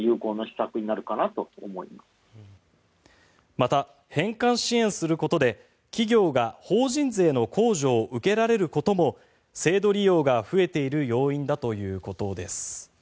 また、返還支援することで企業が法人税の控除を受けられることも制度利用が増えている要因だということです。